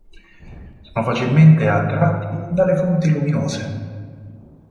Sono facilmente attratti dalle fonti luminose.